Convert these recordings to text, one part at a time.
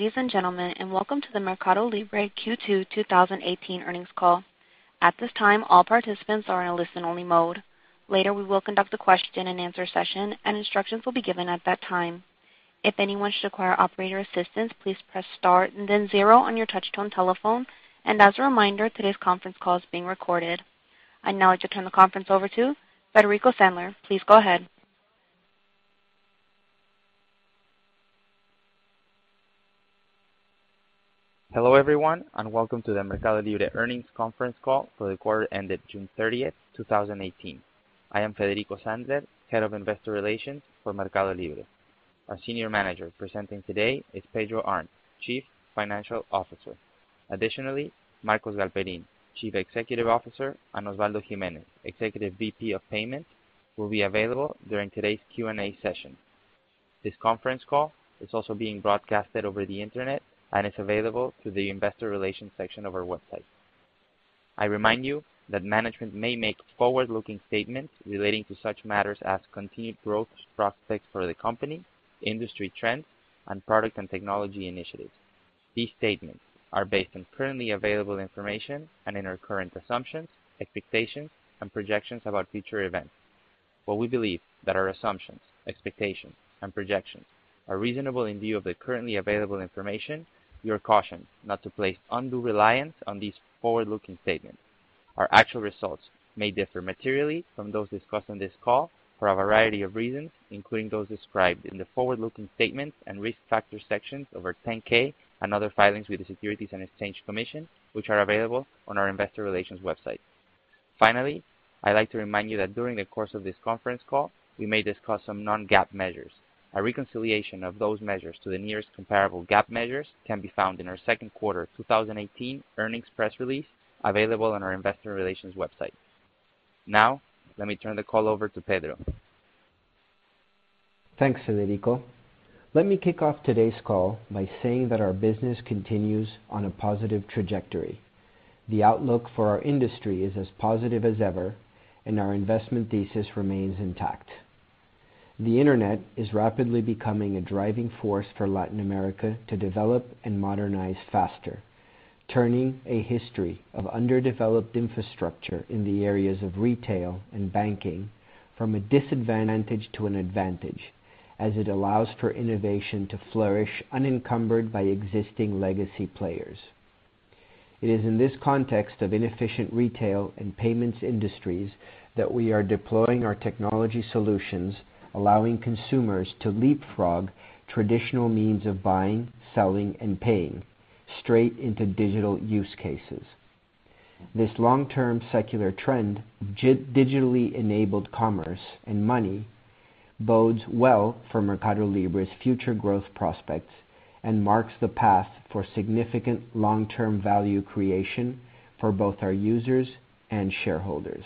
Ladies and gentlemen, welcome to the MercadoLibre Q2 2018 earnings call. At this time, all participants are in a listen-only mode. Later, we will conduct a question-and-answer session, and instructions will be given at that time. If anyone should require operator assistance, please press star and then zero on your touchtone telephone. As a reminder, today's conference call is being recorded. I'd now like to turn the conference over to Federico Sandler. Please go ahead. Hello, everyone, welcome to the MercadoLibre earnings conference call for the quarter ended June 30th, 2018. I am Federico Sandler, Head of Investor Relations for MercadoLibre. Our senior manager presenting today is Pedro Arnt, Chief Financial Officer. Additionally, Marcos Galperín, Chief Executive Officer, and Osvaldo Gimenez, Executive VP of Payment, will be available during today's Q&A session. This conference call is also being broadcasted over the internet and is available through the investor relations section of our website. I remind you that management may make forward-looking statements relating to such matters as continued growth prospects for the company, industry trends, product and technology initiatives. These statements are based on currently available information in our current assumptions, expectations, and projections about future events. While we believe that our assumptions, expectations, and projections are reasonable in view of the currently available information, we are cautioned not to place undue reliance on these forward-looking statements. Our actual results may differ materially from those discussed on this call for a variety of reasons, including those described in the forward-looking statements and risk factor sections of our 10-K and other filings with the Securities and Exchange Commission, which are available on our investor relations website. Finally, I'd like to remind you that during the course of this conference call, we may discuss some non-GAAP measures. A reconciliation of those measures to the nearest comparable GAAP measures can be found in our second quarter 2018 earnings press release available on our investor relations website. Now, let me turn the call over to Pedro. Thanks, Federico. Let me kick off today's call by saying that our business continues on a positive trajectory. The outlook for our industry is as positive as ever, and our investment thesis remains intact. The internet is rapidly becoming a driving force for Latin America to develop and modernize faster, turning a history of underdeveloped infrastructure in the areas of retail and banking from a disadvantage to an advantage, as it allows for innovation to flourish unencumbered by existing legacy players. It is in this context of inefficient retail and payments industries that we are deploying our technology solutions, allowing consumers to leapfrog traditional means of buying, selling, and paying straight into digital use cases. This long-term secular trend, digitally enabled commerce and money, bodes well for MercadoLibre's future growth prospects and marks the path for significant long-term value creation for both our users and shareholders.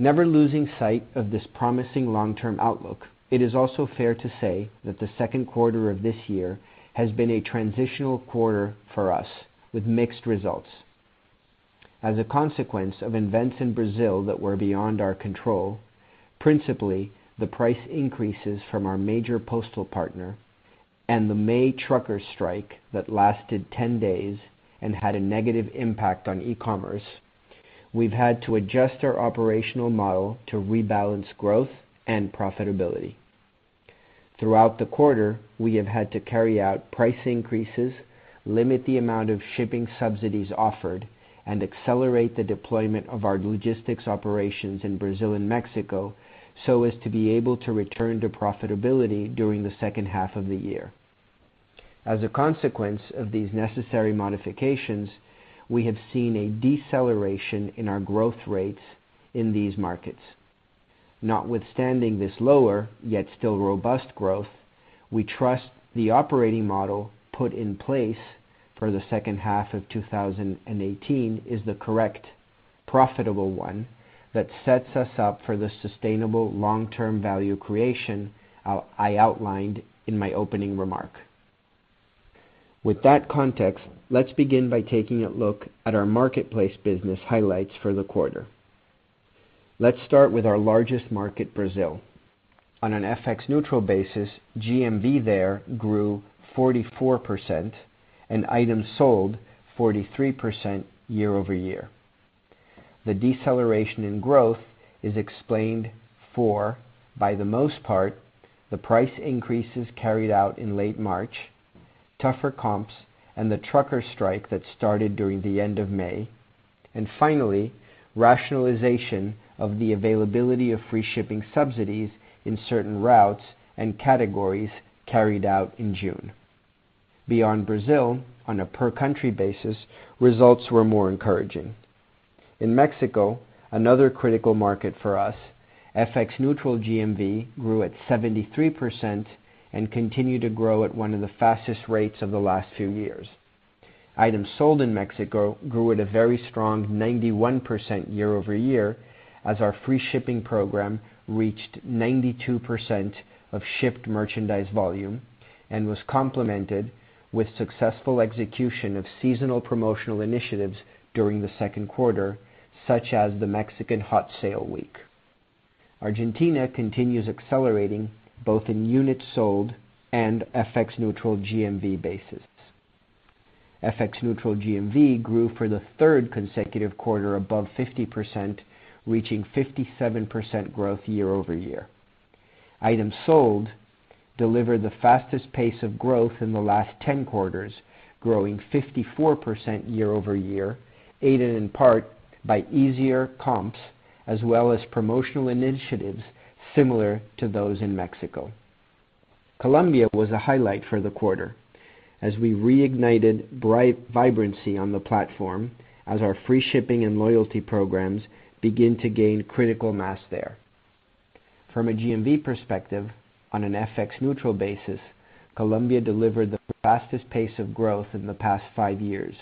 Never losing sight of this promising long-term outlook, it is also fair to say that the second quarter of this year has been a transitional quarter for us with mixed results. As a consequence of events in Brazil that were beyond our control, principally, the price increases from our major postal partner and the May trucker strike that lasted 10 days and had a negative impact on e-commerce, we've had to adjust our operational model to rebalance growth and profitability. Throughout the quarter, we have had to carry out price increases, limit the amount of shipping subsidies offered, and accelerate the deployment of our logistics operations in Brazil and Mexico so as to be able to return to profitability during the second half of the year. As a consequence of these necessary modifications, we have seen a deceleration in our growth rates in these markets. Notwithstanding this lower, yet still robust growth, we trust the operating model put in place for the second half of 2018 is the correct profitable one that sets us up for the sustainable long-term value creation I outlined in my opening remark. With that context, let's begin by taking a look at our marketplace business highlights for the quarter. Let's start with our largest market, Brazil. On an FX-neutral basis, GMV there grew 44% and items sold 43% year-over-year. The deceleration in growth is explained for, by the most part, the price increases carried out in late March, tougher comps, and the trucker strike that started during the end of May, and finally, rationalization of the availability of free shipping subsidies in certain routes and categories carried out in June. Beyond Brazil, on a per-country basis, results were more encouraging. In Mexico, another critical market for us, FX-neutral GMV grew at 73% and continued to grow at one of the fastest rates of the last few years. Items sold in Mexico grew at a very strong 91% year-over-year as our free shipping program reached 92% of shipped merchandise volume and was complemented with successful execution of seasonal promotional initiatives during the second quarter, such as the Mexican Hot Sale Week. Argentina continues accelerating both in units sold and FX-neutral GMV basis. FX-neutral GMV grew for the third consecutive quarter above 50%, reaching 57% growth year-over-year. Items sold delivered the fastest pace of growth in the last 10 quarters, growing 54% year-over-year, aided in part by easier comps as well as promotional initiatives similar to those in Mexico. Colombia was a highlight for the quarter as we reignited vibrancy on the platform as our free shipping and loyalty programs begin to gain critical mass there. From a GMV perspective, on an FX-neutral basis, Colombia delivered the fastest pace of growth in the past five years,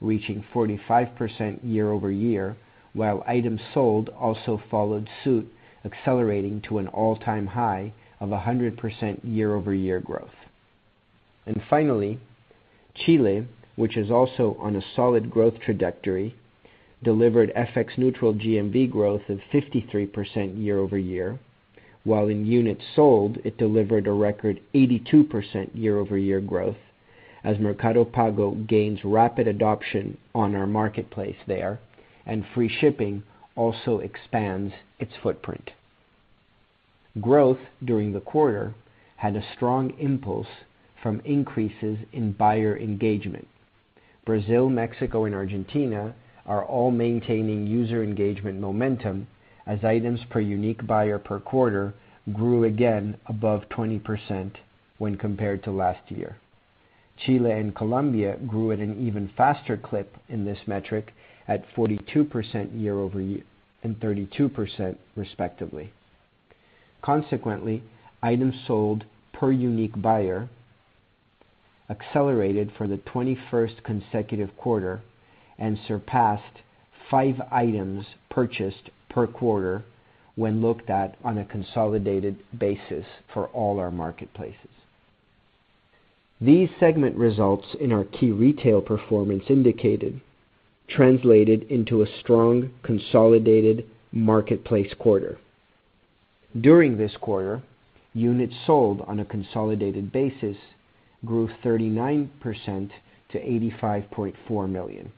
reaching 45% year-over-year, while items sold also followed suit, accelerating to an all-time high of 100% year-over-year growth. Finally, Chile, which is also on a solid growth trajectory, delivered FX-neutral GMV growth of 53% year-over-year, while in units sold, it delivered a record 82% year-over-year growth as Mercado Pago gains rapid adoption on our marketplace there, and free shipping also expands its footprint. Growth during the quarter had a strong impulse from increases in buyer engagement. Brazil, Mexico, and Argentina are all maintaining user engagement momentum as items per unique buyer per quarter grew again above 20% when compared to last year. Chile and Colombia grew at an even faster clip in this metric at 42% year-over-year and 32%, respectively. Consequently, items sold per unique buyer accelerated for the 21st consecutive quarter and surpassed five items purchased per quarter when looked at on a consolidated basis for all our marketplaces. These segment results in our key retail performance indicated translated into a strong consolidated marketplace quarter. During this quarter, units sold on a consolidated basis grew 39% to 85.4 million.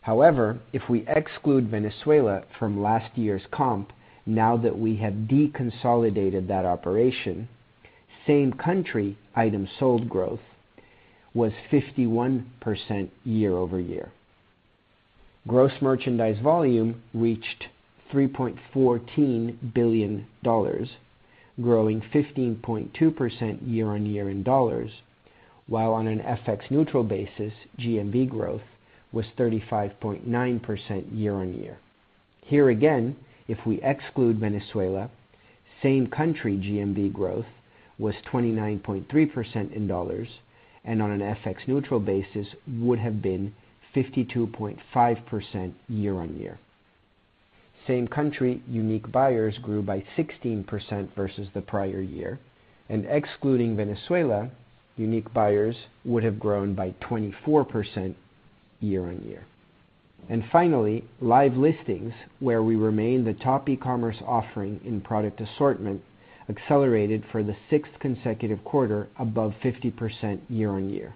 However, if we exclude Venezuela from last year's comp, now that we have deconsolidated that operation, same-country items sold growth was 51% year-over-year. Gross merchandise volume reached $3.14 billion, growing 15.2% year-on-year in dollars, while on an FX-neutral basis, GMV growth was 35.9% year-on-year. Here again, if we exclude Venezuela, same-country GMV growth was 29.3% in dollars, and on an FX-neutral basis would have been 52.5% year-on-year. Same-country unique buyers grew by 16% versus the prior year, excluding Venezuela, unique buyers would have grown by 24% year-on-year. Finally, live listings, where we remain the top e-commerce offering in product assortment, accelerated for the sixth consecutive quarter above 50% year-on-year.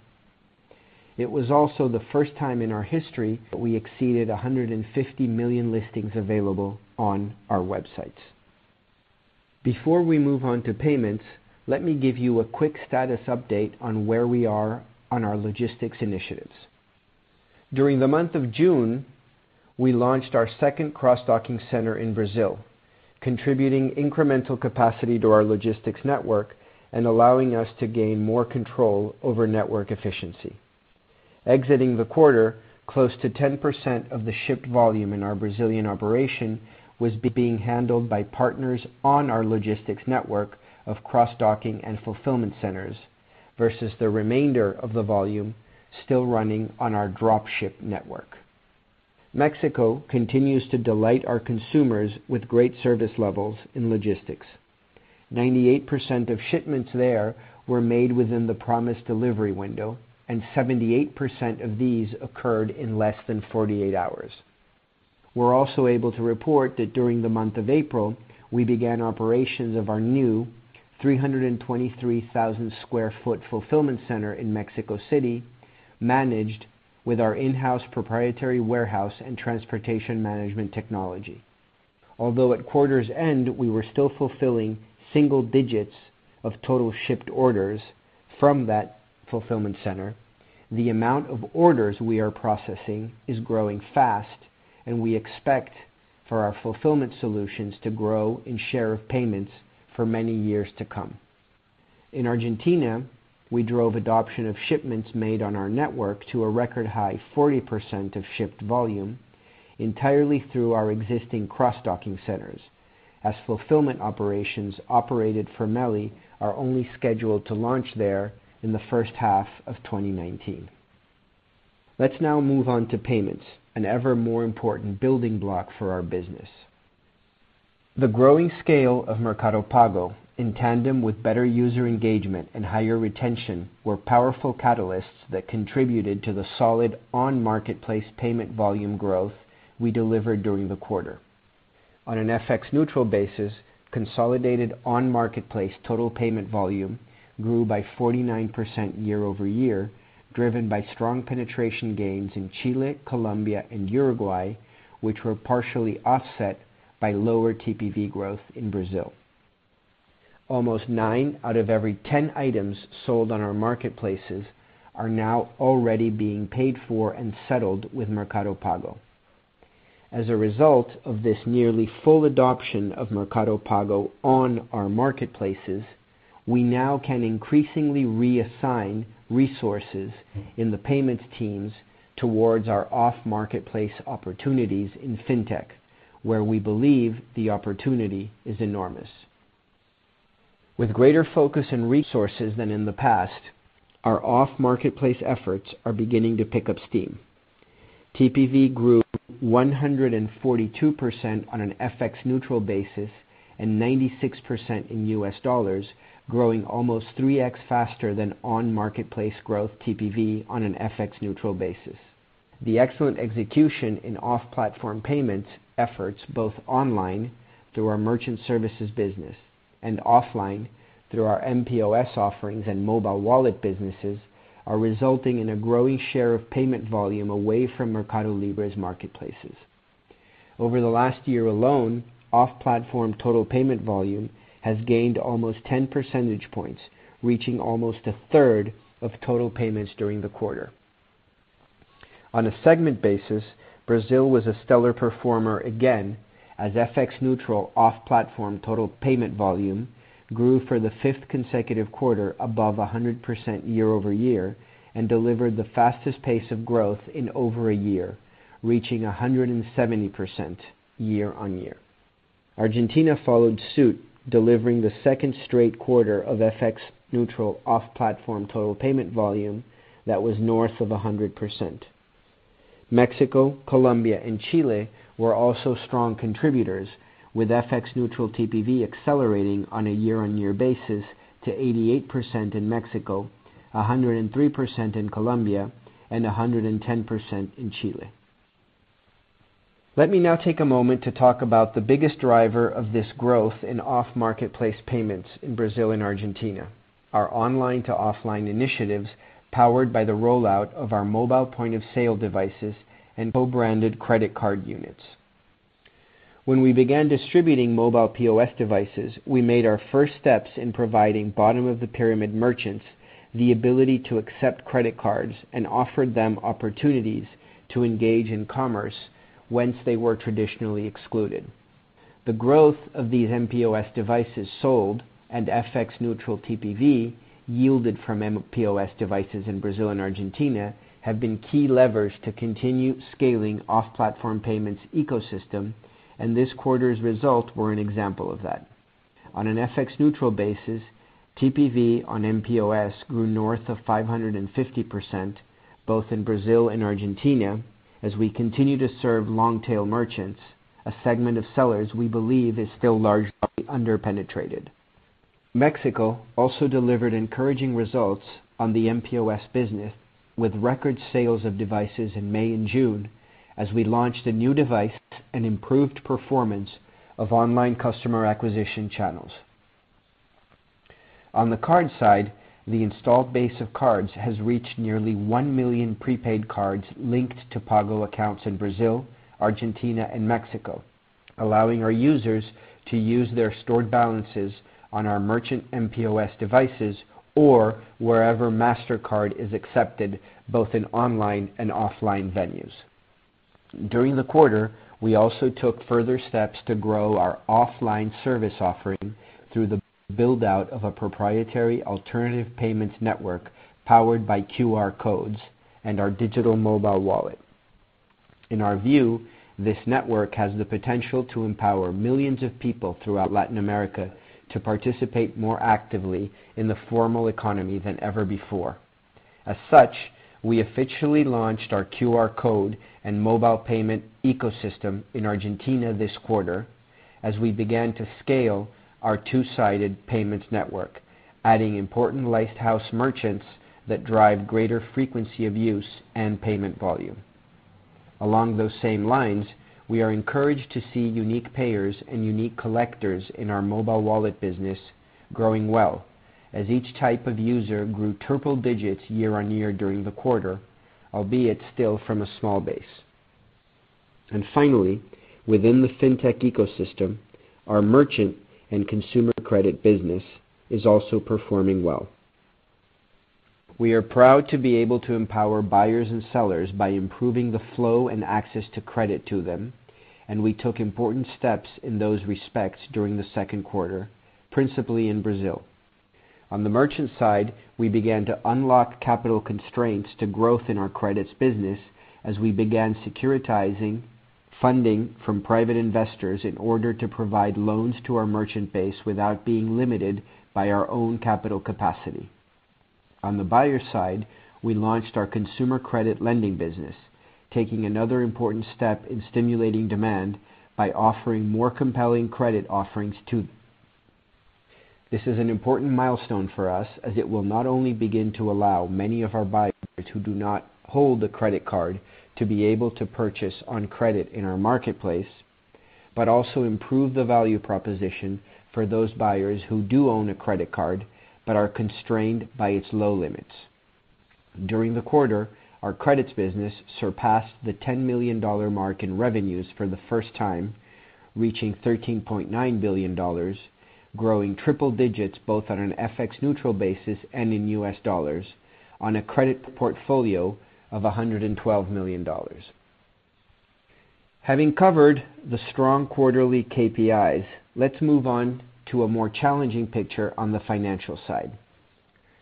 It was also the first time in our history that we exceeded 150 million listings available on our websites. Before we move on to payments, let me give you a quick status update on where we are on our logistics initiatives. During the month of June, we launched our second cross-docking center in Brazil, contributing incremental capacity to our logistics network and allowing us to gain more control over network efficiency. Exiting the quarter, close to 10% of the shipped volume in our Brazilian operation was being handled by partners on our logistics network of cross-docking and fulfillment centers versus the remainder of the volume still running on our drop ship network. Mexico continues to delight our consumers with great service levels in logistics. 98% of shipments there were made within the promised delivery window, and 78% of these occurred in less than 48 hours. We are also able to report that during the month of April, we began operations of our new 323,000 sq ft fulfillment center in Mexico City, managed with our in-house proprietary warehouse and transportation management technology. Although at quarter's end, we were still fulfilling single digits of total shipped orders from that fulfillment center, the amount of orders we are processing is growing fast, and we expect for our fulfillment solutions to grow in share of payments for many years to come. In Argentina, we drove adoption of shipments made on our network to a record high 40% of shipped volume entirely through our existing cross-docking centers, as fulfillment operations operated formally are only scheduled to launch there in the first half of 2019. Let us now move on to payments, an ever more important building block for our business. The growing scale of Mercado Pago, in tandem with better user engagement and higher retention, were powerful catalysts that contributed to the solid on-marketplace payment volume growth we delivered during the quarter. On an FX-neutral basis, consolidated on-marketplace total payment volume grew by 49% year-over-year, driven by strong penetration gains in Chile, Colombia, and Uruguay, which were partially offset by lower TPV growth in Brazil. Almost nine out of every 10 items sold on our marketplaces are now already being paid for and settled with Mercado Pago. As a result of this nearly full adoption of Mercado Pago on our marketplaces, we now can increasingly reassign resources in the payments teams towards our off-marketplace opportunities in fintech, where we believe the opportunity is enormous. With greater focus and resources than in the past, our off-marketplace efforts are beginning to pick up steam. TPV grew 142% on an FX-neutral basis and 96% in US dollars, growing almost three times faster than on-marketplace growth TPV on an FX-neutral basis. The excellent execution in off-platform payments efforts, both online through our merchant services business and offline through our mPOS offerings and mobile wallet businesses, are resulting in a growing share of payment volume away from MercadoLibre's marketplaces. Over the last year alone, off-platform total payment volume has gained almost 10 percentage points, reaching almost a third of total payments during the quarter. On a segment basis, Brazil was a stellar performer again, as FX-neutral off-platform total payment volume grew for the fifth consecutive quarter above 100% year-over-year and delivered the fastest pace of growth in over a year, reaching 170% year-on-year. Argentina followed suit, delivering the second straight quarter of FX-neutral off-platform total payment volume that was north of 100%. Mexico, Colombia, and Chile were also strong contributors, with FX-neutral TPV accelerating on a year-on-year basis to 88% in Mexico, 103% in Colombia, and 110% in Chile. Let me now take a moment to talk about the biggest driver of this growth in off-marketplace payments in Brazil and Argentina, our online-to-offline initiatives powered by the rollout of our mobile point-of-sale devices and co-branded credit card units. When we began distributing mobile POS devices, we made our first steps in providing bottom-of-the-pyramid merchants the ability to accept credit cards and offered them opportunities to engage in commerce whence they were traditionally excluded. The growth of these mPOS devices sold and FX-neutral TPV yielded from mPOS devices in Brazil and Argentina have been key levers to continue scaling off-platform payments ecosystem, and this quarter's results were an example of that. On an FX-neutral basis, TPV on mPOS grew north of 550% both in Brazil and Argentina as we continue to serve long-tail merchants, a segment of sellers we believe is still largely underpenetrated. Mexico also delivered encouraging results on the mPOS business, with record sales of devices in May and June as we launched a new device and improved performance of online customer acquisition channels. On the card side, the installed base of cards has reached nearly 1 million prepaid cards linked to Pago accounts in Brazil, Argentina, and Mexico, allowing our users to use their stored balances on our merchant mPOS devices or wherever Mastercard is accepted, both in online and offline venues. During the quarter, we also took further steps to grow our offline service offering through the build-out of a proprietary alternative payments network powered by QR codes and our digital mobile wallet. In our view, this network has the potential to empower millions of people throughout Latin America to participate more actively in the formal economy than ever before. As such, we officially launched our QR code and mobile payment ecosystem in Argentina this quarter as we began to scale our two-sided payments network, adding important lighthouse merchants that drive greater frequency of use and payment volume. Along those same lines, we are encouraged to see unique payers and unique collectors in our mobile wallet business growing well as each type of user grew triple digits year-on-year during the quarter, albeit still from a small base. Finally, within the fintech ecosystem, our merchant and consumer credit business is also performing well. We are proud to be able to empower buyers and sellers by improving the flow and access to credit to them, and we took important steps in those respects during the second quarter, principally in Brazil. On the merchant side, we began to unlock capital constraints to growth in our credits business as we began securitizing funding from private investors in order to provide loans to our merchant base without being limited by our own capital capacity. On the buyer side, we launched our consumer credit lending business, taking another important step in stimulating demand by offering more compelling credit offerings to them. This is an important milestone for us as it will not only begin to allow many of our buyers who do not hold a credit card to be able to purchase on credit in our marketplace, but also improve the value proposition for those buyers who do own a credit card but are constrained by its low limits. During the quarter, our credits business surpassed the $10 million mark in revenues for the first time, reaching $13.9 million, growing triple digits both on an FX-neutral basis and in US dollars on a credit portfolio of $112 million. Having covered the strong quarterly KPIs, let's move on to a more challenging picture on the financial side.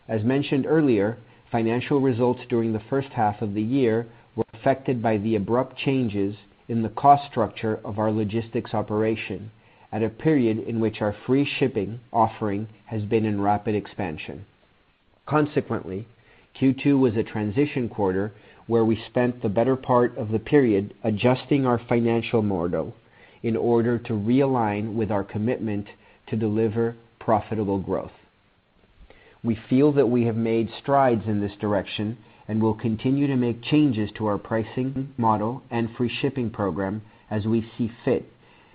As mentioned earlier, financial results during the first half of the year were affected by the abrupt changes in the cost structure of our logistics operation at a period in which our free shipping offering has been in rapid expansion. Consequently, Q2 was a transition quarter where we spent the better part of the period adjusting our financial model in order to realign with our commitment to deliver profitable growth. We feel that we have made strides in this direction and will continue to make changes to our pricing model and free shipping program as we see fit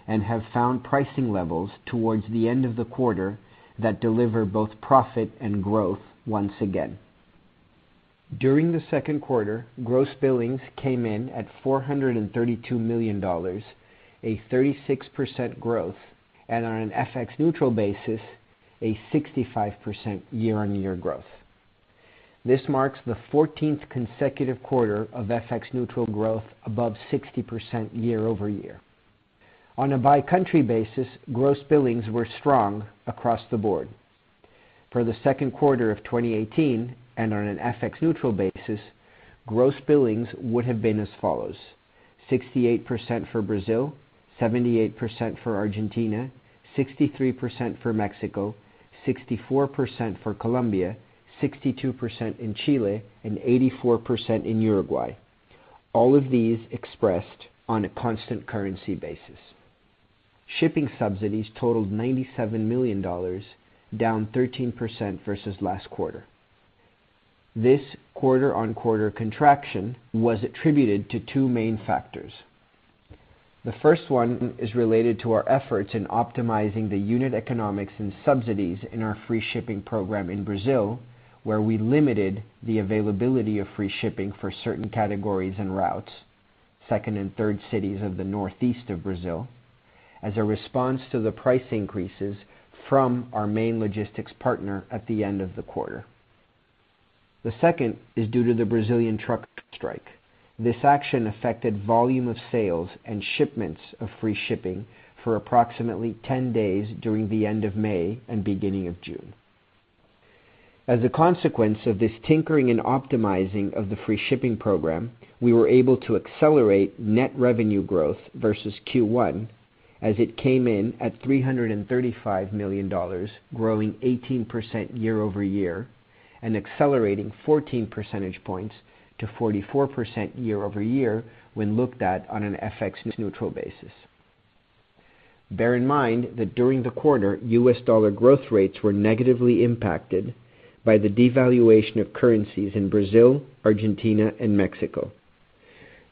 and have found pricing levels towards the end of the quarter that deliver both profit and growth once again. During the second quarter, gross billings came in at $432 million, a 36% growth, and on an FX-neutral basis, a 65% year-on-year growth. This marks the 14th consecutive quarter of FX-neutral growth above 60% year-over-year. On a by-country basis, gross billings were strong across the board. For the second quarter of 2018, and on an FX-neutral basis, gross billings would have been as follows: 68% for Brazil, 78% for Argentina, 63% for Mexico, 64% for Colombia, 62% in Chile, and 84% in Uruguay. All of these expressed on a constant currency basis. Shipping subsidies totaled $97 million, down 13% versus last quarter. This quarter-on-quarter contraction was attributed to two main factors. The first one is related to our efforts in optimizing the unit economics and subsidies in our free shipping program in Brazil, where we limited the availability of free shipping for certain categories and routes, second and third cities of the northeast of Brazil, as a response to the price increases from our main logistics partner at the end of the quarter. The second is due to the Brazilian truck strike. This action affected volume of sales and shipments of free shipping for approximately 10 days during the end of May and beginning of June. As a consequence of this tinkering and optimizing of the free shipping program, we were able to accelerate net revenue growth versus Q1 as it came in at $335 million, growing 18% year-over-year and accelerating 14 percentage points to 44% year-over-year when looked at on an FX-neutral basis. Bear in mind that during the quarter, US dollar growth rates were negatively impacted by the devaluation of currencies in Brazil, Argentina, and Mexico.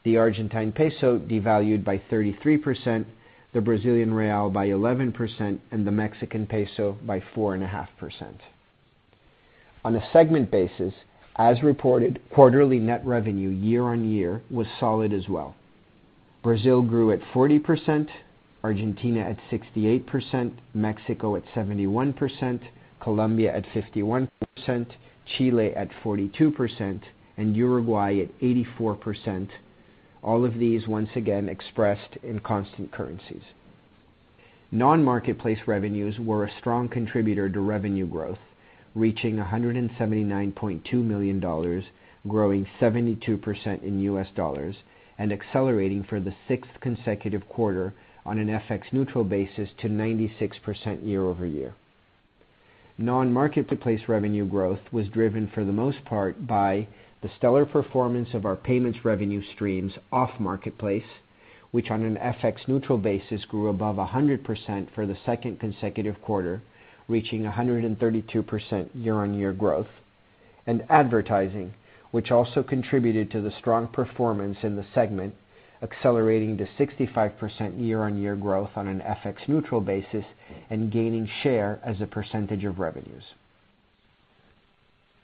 The Argentine peso devalued by 33%, the Brazilian real by 11%, and the Mexican peso by 4.5%. On a segment basis, as reported, quarterly net revenue year-on-year was solid as well. Brazil grew at 40%, Argentina at 68%, Mexico at 71%, Colombia at 51%, Chile at 42%, and Uruguay at 84%. All of these, once again, expressed in constant currencies. Non-marketplace revenues were a strong contributor to revenue growth, reaching $179.2 million, growing 72% in US dollars, and accelerating for the sixth consecutive quarter on an FX-neutral basis to 96% year-over-year. Non-marketplace revenue growth was driven for the most part by the stellar performance of our payments revenue streams off marketplace, which on an FX-neutral basis grew above 100% for the second consecutive quarter, reaching 132% year-on-year growth, and advertising, which also contributed to the strong performance in the segment, accelerating to 65% year-on-year growth on an FX-neutral basis and gaining share as a percentage of revenues.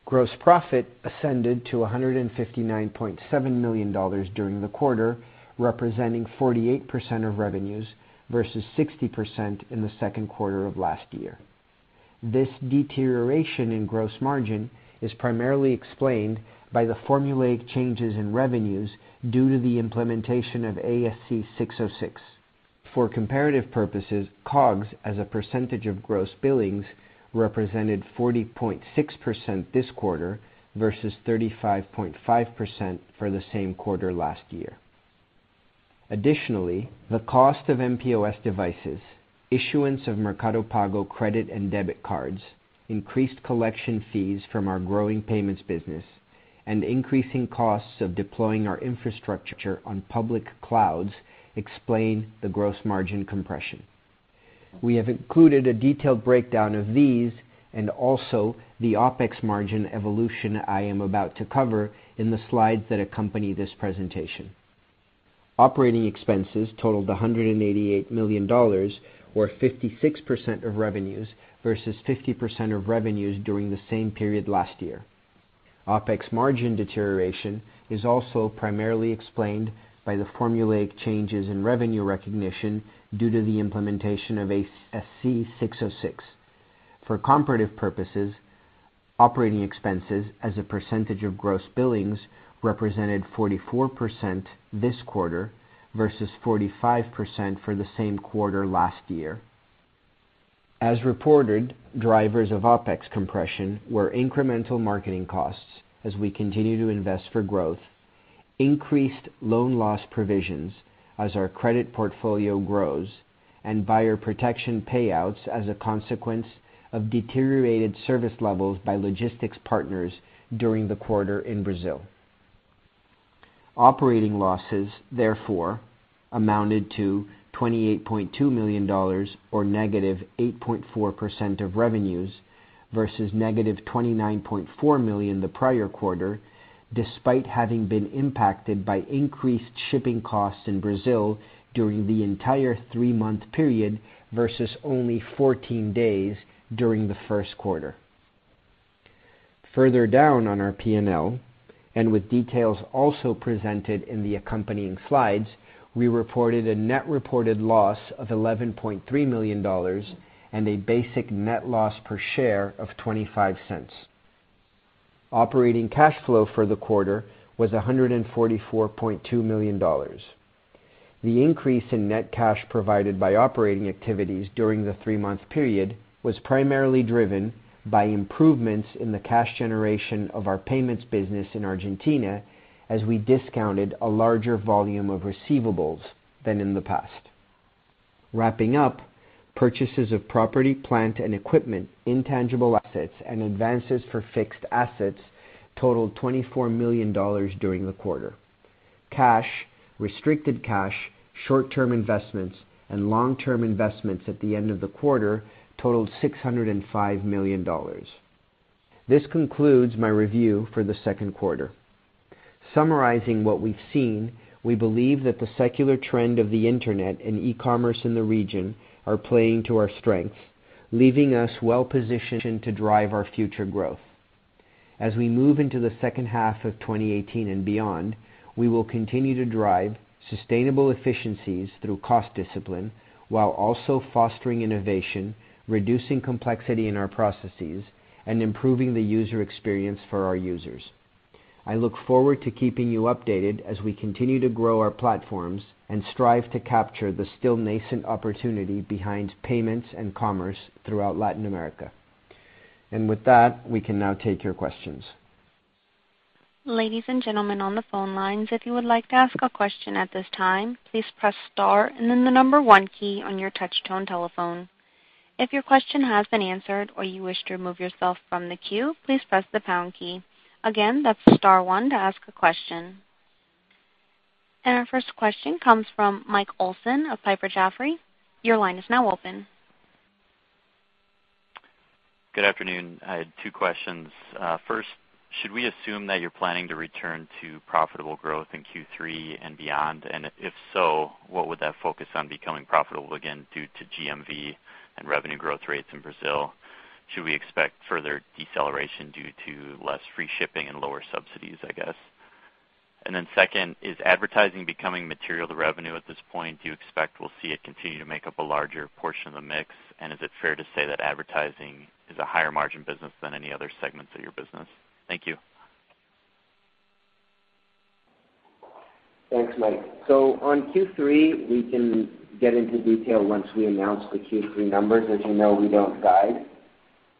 Gross profit ascended to $159.7 million during the quarter, representing 48% of revenues versus 60% in the second quarter of last year. This deterioration in gross margin is primarily explained by the formulaic changes in revenues due to the implementation of ASC 606. For comparative purposes, COGS as a percentage of gross billings represented 40.6% this quarter versus 35.5% for the same quarter last year. Additionally, the cost of mPOS devices, issuance of Mercado Pago credit and debit cards, increased collection fees from our growing payments business and increasing costs of deploying our infrastructure on public clouds explain the gross margin compression. We have included a detailed breakdown of these and also the OpEx margin evolution I am about to cover in the slides that accompany this presentation. Operating expenses totaled $188 million, or 56% of revenues, versus 50% of revenues during the same period last year. OpEx margin deterioration is also primarily explained by the formulaic changes in revenue recognition due to the implementation of ASC 606. For comparative purposes, operating expenses as a percentage of gross billings represented 44% this quarter versus 45% for the same quarter last year. As reported, drivers of OpEx compression were incremental marketing costs as we continue to invest for growth, increased loan loss provisions as our credit portfolio grows, and buyer protection payouts as a consequence of deteriorated service levels by logistics partners during the quarter in Brazil. Operating losses, therefore, amounted to $28.2 million, or negative 8.4% of revenues versus negative $29.4 million the prior quarter, despite having been impacted by increased shipping costs in Brazil during the entire three-month period versus only 14 days during the first quarter. Further down on our P&L, with details also presented in the accompanying slides, we reported a net reported loss of $11.3 million and a basic net loss per share of $0.25. Operating cash flow for the quarter was $144.2 million. The increase in net cash provided by operating activities during the three-month period was primarily driven by improvements in the cash generation of our payments business in Argentina, as we discounted a larger volume of receivables than in the past. Wrapping up, purchases of property, plant, and equipment, intangible assets, and advances for fixed assets totaled $24 million during the quarter. Cash, restricted cash, short-term investments, and long-term investments at the end of the quarter totaled $605 million. This concludes my review for the second quarter. Summarizing what we've seen, we believe that the secular trend of the internet and e-commerce in the region are playing to our strengths, leaving us well-positioned to drive our future growth. As we move into the second half of 2018 and beyond, we will continue to drive sustainable efficiencies through cost discipline while also fostering innovation, reducing complexity in our processes, and improving the user experience for our users. I look forward to keeping you updated as we continue to grow our platforms and strive to capture the still-nascent opportunity behind payments and commerce throughout Latin America. With that, we can now take your questions. Ladies and gentlemen on the phone lines, if you would like to ask a question at this time, please press star and then the number one key on your touch-tone telephone. If your question has been answered or you wish to remove yourself from the queue, please press the pound key. Again, that's star one to ask a question. Our first question comes from Michael Olson of Piper Jaffray. Your line is now open. Good afternoon. I had two questions. First, should we assume that you're planning to return to profitable growth in Q3 and beyond? If so, what would that focus on becoming profitable again due to GMV and revenue growth rates in Brazil? Should we expect further deceleration due to less free shipping and lower subsidies, I guess? Second, is advertising becoming material to revenue at this point? Do you expect we'll see it continue to make up a larger portion of the mix? Is it fair to say that advertising is a higher margin business than any other segments of your business? Thank you. Thanks, Mike. On Q3, we can get into detail once we announce the Q3 numbers. As you know, we don't guide.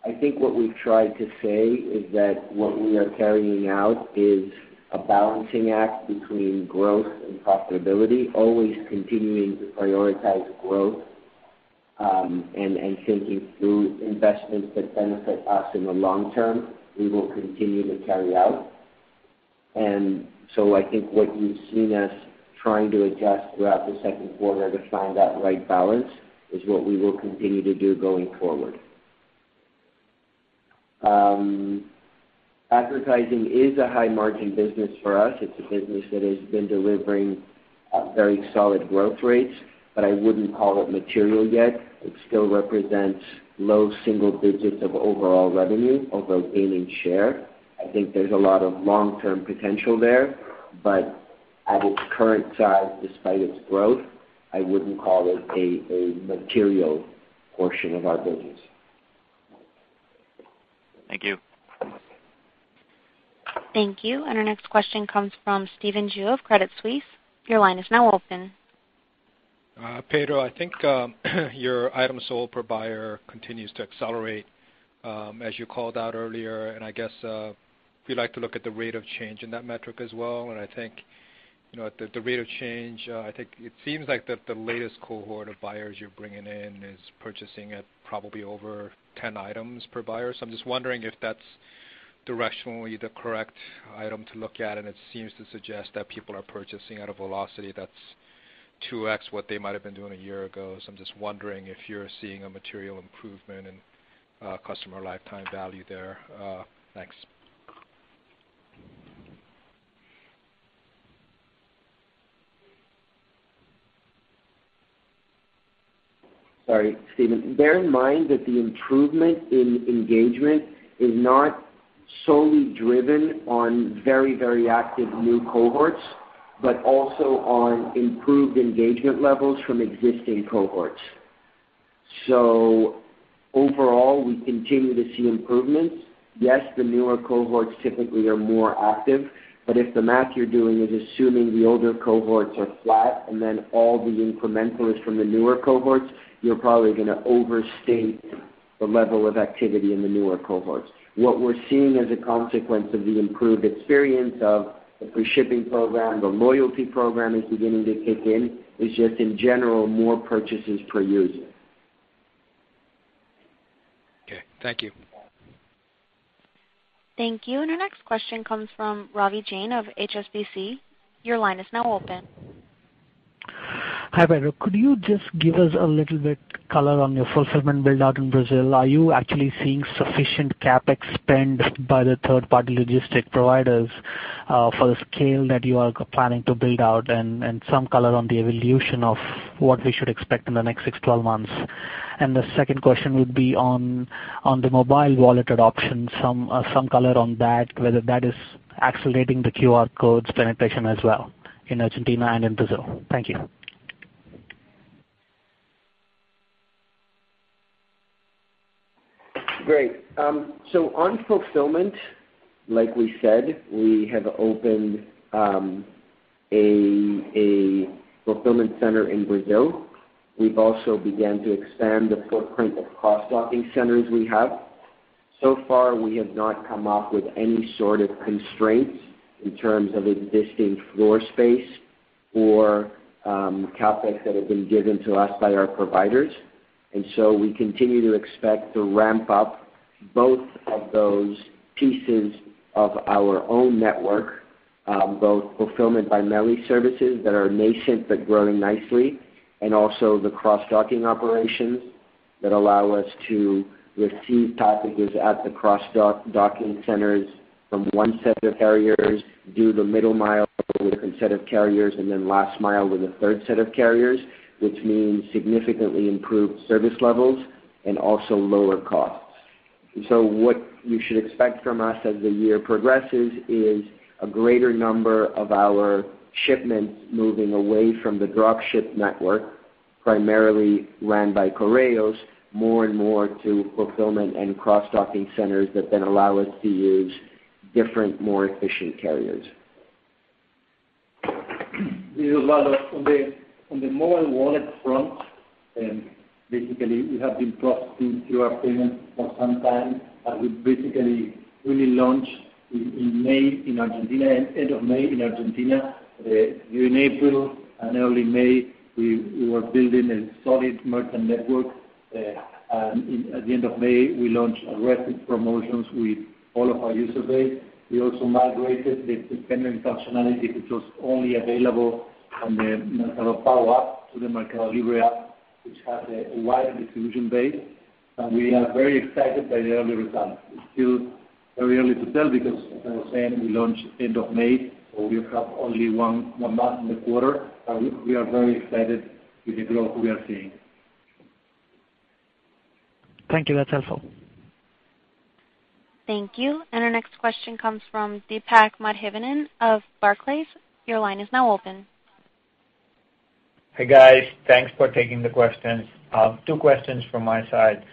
I think what we've tried to say is that what we are carrying out is a balancing act between growth and profitability, always continuing to prioritize growth, and thinking through investments that benefit us in the long term, we will continue to carry out. I think what you've seen us trying to adjust throughout the second quarter to find that right balance is what we will continue to do going forward. Advertising is a high-margin business for us. It's a business that has been delivering very solid growth rates, I wouldn't call it material yet. It still represents low single digits of overall revenue, although gaining share. I think there's a lot of long-term potential there, at its current size, despite its growth, I wouldn't call it a material portion of our business. Thank you. Thank you. Our next question comes from Stephen Ju of Credit Suisse. Your line is now open. Pedro, I think your items sold per buyer continues to accelerate, as you called out earlier. I guess if you'd like to look at the rate of change in that metric as well, and the rate of change, I think it seems like the latest cohort of buyers you're bringing in is purchasing at probably over 10 items per buyer. I'm just wondering if that's directionally the correct item to look at, and it seems to suggest that people are purchasing at a velocity that's 2x what they might've been doing a year ago. I'm just wondering if you're seeing a material improvement in customer lifetime value there. Thanks. Sorry, Stephen. Bear in mind that the improvement in engagement is not solely driven on very active new cohorts, but also on improved engagement levels from existing cohorts. Overall, we continue to see improvements. Yes, the newer cohorts typically are more active, but if the math you're doing is assuming the older cohorts are flat and then all the incremental is from the newer cohorts, you're probably going to overstate the level of activity in the newer cohorts. What we're seeing as a consequence of the improved experience of the free shipping program, the loyalty program is beginning to kick in, is just in general, more purchases per user. Okay. Thank you. Thank you. Our next question comes from Ravi Jain of HSBC. Your line is now open. Hi, Pedro. Could you just give us a little bit color on your fulfillment build-out in Brazil? Are you actually seeing sufficient CapEx spend by the third-party logistic providers, for the scale that you are planning to build out? Some color on the evolution of what we should expect in the next 6 to 12 months. The second question would be on the mobile wallet adoption, some color on that, whether that is accelerating the QR codes penetration as well in Argentina and in Brazil. Thank you. Great. On fulfillment, like we said, we have opened a fulfillment center in Brazil. We've also began to expand the footprint of cross-docking centers we have. Far, we have not come up with any sort of constraints in terms of existing floor space for CapEx that have been given to us by our providers. We continue to expect to ramp up both of those pieces of our own network, both Fulfillment by MELI services that are nascent but growing nicely, and also the cross-docking operations that allow us to receive packages at the cross-docking centers from one set of carriers, do the middle mile with a different set of carriers, and then last mile with a third set of carriers, which means significantly improved service levels and also lower costs. What you should expect from us as the year progresses is a greater number of our shipments moving away from the drop ship network, primarily ran by Correios, more and more to fulfillment and cross-docking centers that then allow us to use different, more efficient carriers. This is Vado. On the mobile wallet front, basically we have been processing QR payments for some time, and we basically really launched in end of May in Argentina. During April and early May, we were building a solid merchant network, and at the end of May, we launched aggressive promotions with all of our user base. We also migrated the suspension functionality, which was only available on the Mercado Pago app to the MercadoLibre app, which has a wide distribution base. We are very excited by the early results. It's still very early to tell because as I was saying, we launched end of May, so we have only one month in the quarter. We are very excited with the growth we are seeing. Thank you. That's helpful. Thank you. Our next question comes from Deepak Madhavan of Barclays. Your line is now open. Hey, guys. Thanks for taking the questions. Two questions from my side.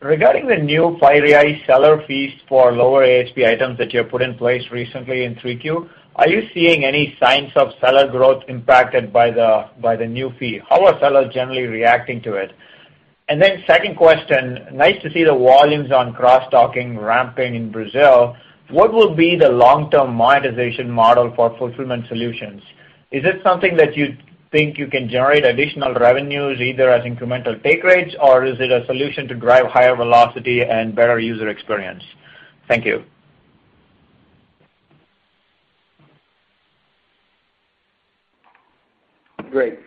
Regarding the new flat seller fees for lower ASP items that you have put in place recently in 3Q, are you seeing any signs of seller growth impacted by the new fee? How are sellers generally reacting to it? Second question, nice to see the volumes on cross-docking ramping in Brazil. What will be the long-term monetization model for fulfillment solutions? Is it something that you think you can generate additional revenues either as incremental take rates, or is it a solution to drive higher velocity and better user experience? Thank you. Great.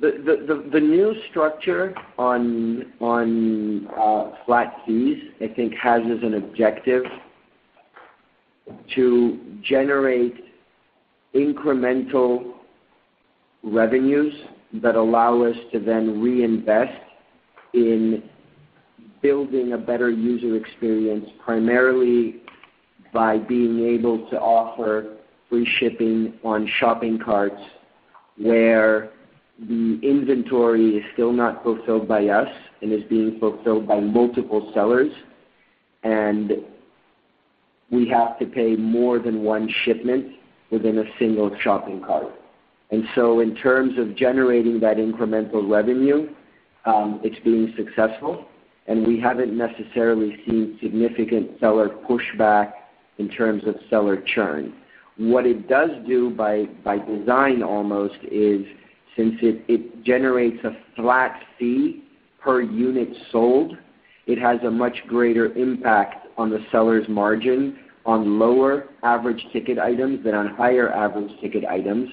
The new structure on flat fees, I think has as an objective to generate incremental revenues that allow us to then reinvest in building a better user experience, primarily by being able to offer free shipping on shopping carts where the inventory is still not fulfilled by us and is being fulfilled by multiple sellers, and we have to pay more than one shipment within a single shopping cart. In terms of generating that incremental revenue, it's been successful, and we haven't necessarily seen significant seller pushback. In terms of seller churn, what it does do by design almost is since it generates a flat fee per unit sold, it has a much greater impact on the seller's margin on lower average ticket items than on higher average ticket items.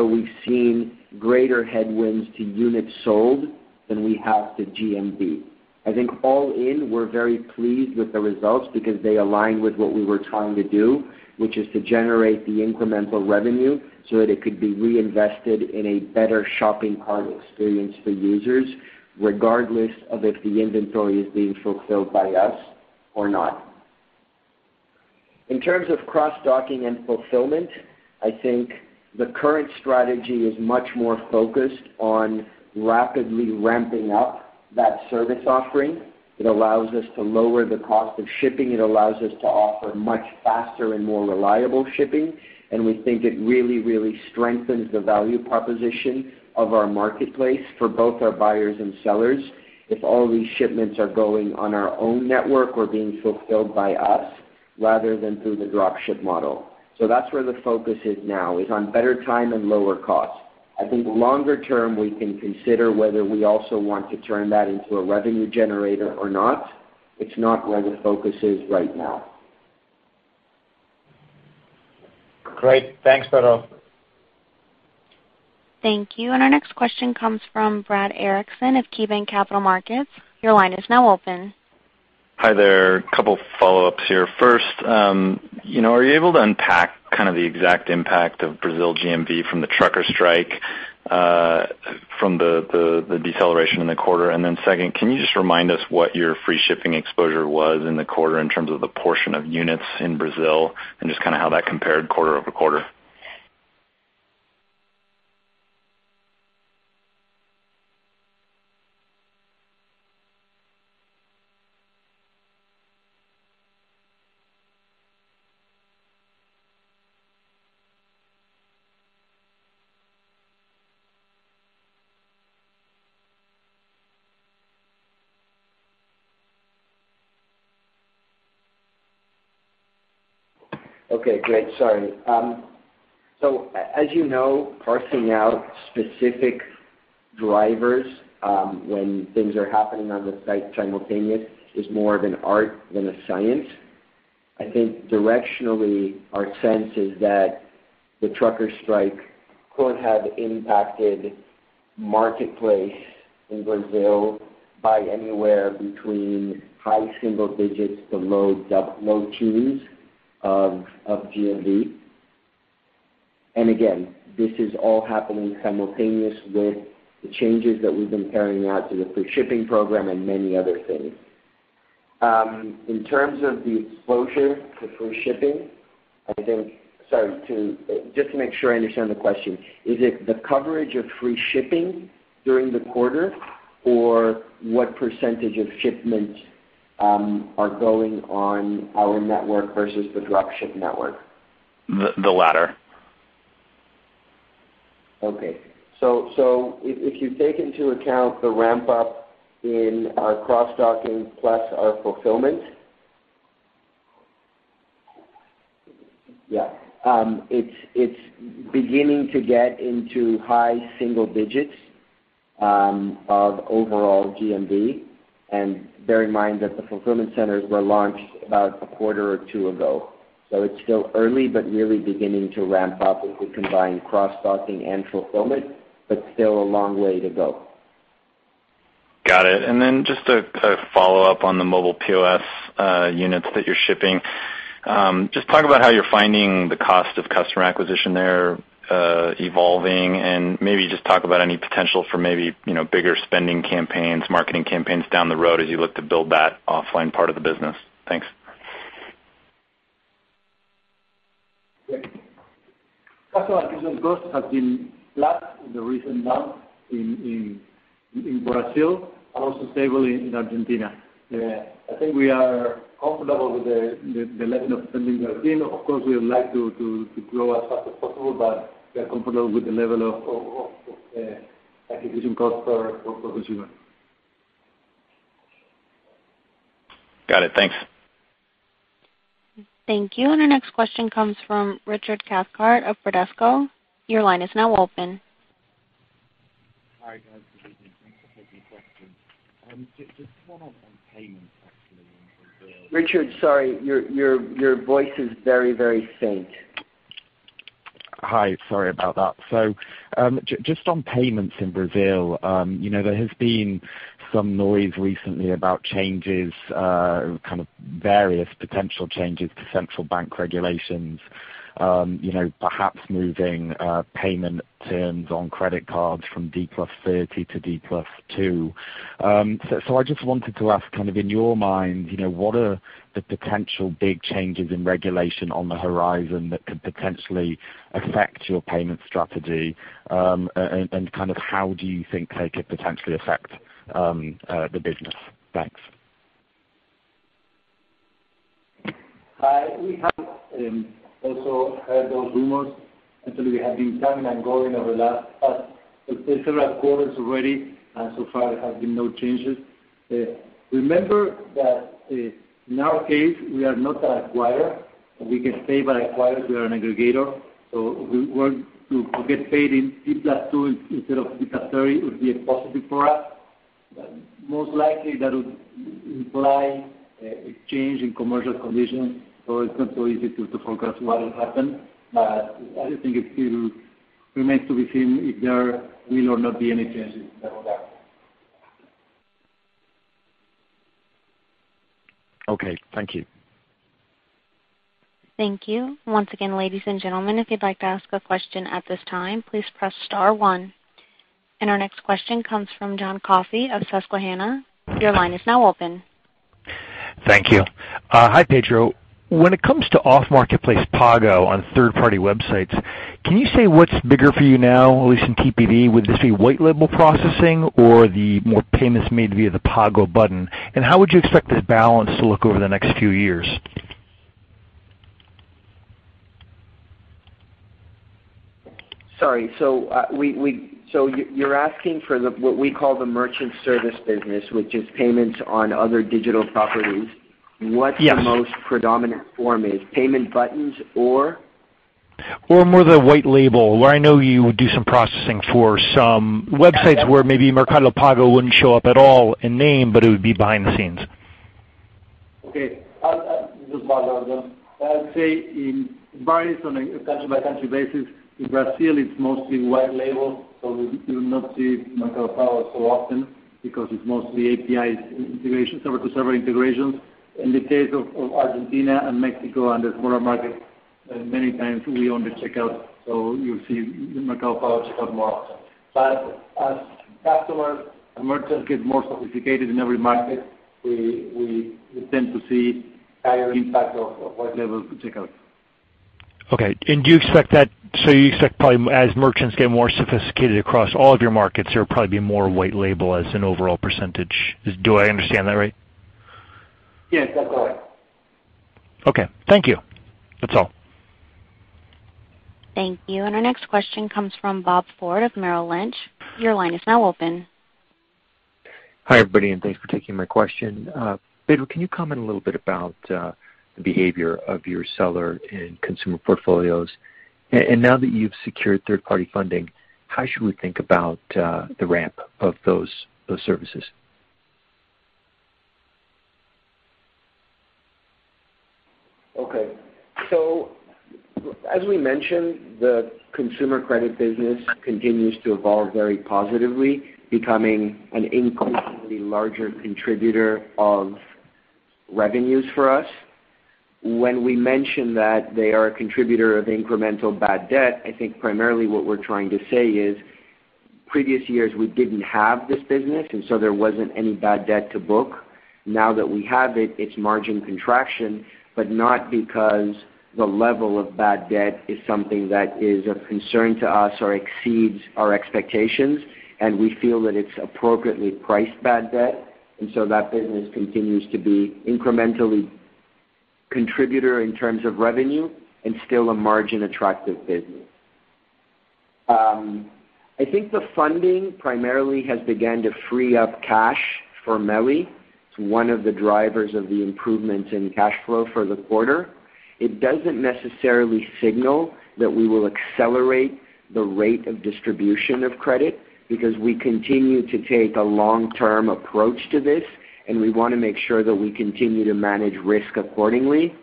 We've seen greater headwinds to units sold than we have to GMV. I think all in, we're very pleased with the results because they align with what we were trying to do, which is to generate the incremental revenue so that it could be reinvested in a better shopping cart experience for users, regardless of if the inventory is being fulfilled by us or not. In terms of cross docking and fulfillment, I think the current strategy is much more focused on rapidly ramping up that service offering. It allows us to lower the cost of shipping. It allows us to offer much faster and more reliable shipping, and we think it really, really strengthens the value proposition of our marketplace for both our buyers and sellers if all these shipments are going on our own network or being fulfilled by us rather than through the drop ship model. That's where the focus is now, is on better time and lower cost. I think longer term, we can consider whether we also want to turn that into a revenue generator or not. It's not where the focus is right now. Great. Thanks, Pedro. Thank you. Our next question comes from Brad Erickson of KeyBanc Capital Markets. Your line is now open. Hi there. Couple follow-ups here. First, are you able to unpack kind of the exact impact of Brazil GMV from the trucker strike, from the deceleration in the quarter? Then second, can you just remind us what your free shipping exposure was in the quarter in terms of the portion of units in Brazil and just kind of how that compared quarter-over-quarter? Okay, great. Sorry. As you know, parsing out specific drivers, when things are happening on the site simultaneous is more of an art than a science. I think directionally, our sense is that the trucker strike could have impacted marketplace in Brazil by anywhere between high single digits to low twos of GMV. Again, this is all happening simultaneous with the changes that we've been carrying out to the free shipping program and many other things. In terms of the exposure to free shipping, I think Sorry, just to make sure I understand the question. Is it the coverage of free shipping during the quarter, or what % of shipments are going on our network versus the drop ship network? The latter. Okay. If you take into account the ramp up in our cross docking plus our fulfillment. Yeah. It's beginning to get into high single digits, of overall GMV. Bear in mind that the fulfillment centers were launched about a quarter or two ago. It's still early, but really beginning to ramp up as we combine cross docking and fulfillment, but still a long way to go. Got it. Just a follow-up on the mobile POS units that you're shipping. Just talk about how you're finding the cost of customer acquisition there evolving, and maybe just talk about any potential for maybe bigger spending campaigns, marketing campaigns down the road as you look to build that offline part of the business. Thanks. Yeah. Customer acquisition cost has been flat in the recent months in Brazil, and also stable in Argentina. I think we are comfortable with the level of spending there. Of course, we would like to grow as fast as possible, but we are comfortable with the level of acquisition cost per consumer. Got it. Thanks. Thank you. Our next question comes from Richard Cathcart of Bradesco. Your line is now open. Hi, guys. Good evening. Thanks for taking the question. Just one on payments, actually. Richard, sorry. Your voice is very faint. Hi, sorry about that. Just on payments in Brazil, there has been some noise recently about changes, kind of various potential changes to central bank regulations, perhaps moving payment terms on credit cards from D+30 to D+2. I just wanted to ask, kind of in your mind, what are the potential big changes in regulation on the horizon that could potentially affect your payment strategy, and kind of how do you think they could potentially affect the business? Thanks. Hi. We have also heard those rumors Actually, we have been coming and going over the last several quarters already, so far there have been no changes. Remember that in our case, we are not an acquirer. We get paid by acquirers. We are an aggregator, so we get paid in fee plus two instead of fee plus 30. It would be a positive for us, but most likely that would imply a change in commercial conditions. It's not so easy to forecast what will happen. I think it still remains to be seen if there will or not be any changes in that regard. Okay, thank you. Thank you. Once again, ladies and gentlemen, if you'd like to ask a question at this time, please press star one. Our next question comes from John Coffey of Susquehanna. Your line is now open. Thank you. Hi, Pedro. When it comes to off marketplace Pago on third-party websites, can you say what's bigger for you now, at least in TPV? Would this be white label processing or the more payments made via the Pago button? How would you expect this balance to look over the next few years? Sorry. You're asking for what we call the merchant service business, which is payments on other digital properties. Yes. What the most predominant form is, payment buttons or More the white label, where I know you do some processing for some websites where maybe Mercado Pago wouldn't show up at all in name, but it would be behind the scenes. Okay. I'll just bother them. I'd say it varies on a country-by-country basis. In Brazil, it's mostly white label, so you'll not see Mercado Pago so often because it's mostly API integration, server to server integrations. In the case of Argentina and Mexico and the smaller markets, many times we own the checkout, so you'll see Mercado Pago checkout more often. As customers and merchants get more sophisticated in every market, we tend to see higher impact of white label checkout. Okay. You expect probably as merchants get more sophisticated across all of your markets, there will probably be more white label as an overall percentage. Do I understand that right? Yes, that's correct. Okay. Thank you. That's all. Thank you. Our next question comes from Robert Ford of Merrill Lynch. Your line is now open. Hi, everybody, and thanks for taking my question. Pedro, can you comment a little bit about the behavior of your seller and consumer portfolios? Now that you've secured third-party funding, how should we think about the ramp of those services? Okay. As we mentioned, the consumer credit business continues to evolve very positively, becoming an increasingly larger contributor of revenues for us. When we mention that they are a contributor of incremental bad debt, I think primarily what we're trying to say is previous years, we didn't have this business, and so there wasn't any bad debt to book. Now that we have it's margin contraction, but not because the level of bad debt is something that is of concern to us or exceeds our expectations. We feel that it's appropriately priced bad debt. That business continues to be incrementally contributor in terms of revenue and still a margin attractive business. I think the funding primarily has begun to free up cash for MELI. It's one of the drivers of the improvement in cash flow for the quarter. It doesn't necessarily signal that we will accelerate the rate of distribution of credit because we continue to take a long-term approach to this, and we want to make sure that we continue to manage risk accordingly.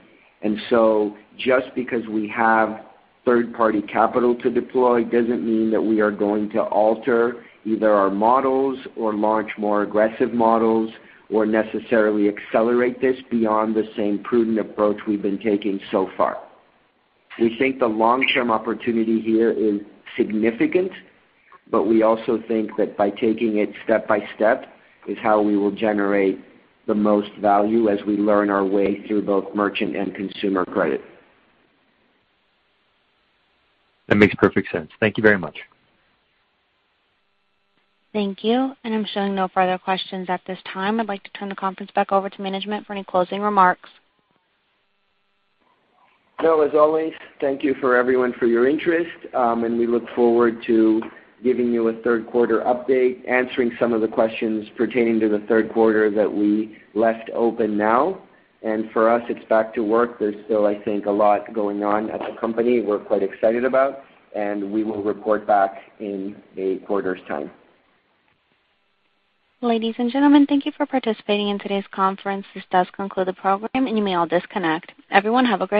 Just because we have third-party capital to deploy doesn't mean that we are going to alter either our models or launch more aggressive models or necessarily accelerate this beyond the same prudent approach we've been taking so far. We think the long-term opportunity here is significant, but we also think that by taking it step by step is how we will generate the most value as we learn our way through both merchant and consumer credit. That makes perfect sense. Thank you very much. Thank you. I'm showing no further questions at this time. I'd like to turn the conference back over to management for any closing remarks. As always, thank you for everyone for your interest. We look forward to giving you a third quarter update, answering some of the questions pertaining to the third quarter that we left open now. For us, it's back to work. There's still, I think, a lot going on at the company we're quite excited about, and we will report back in a quarter's time. Ladies and gentlemen, thank you for participating in today's conference. This does conclude the program and you may all disconnect. Everyone have a good night.